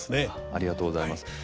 ありがとうございます。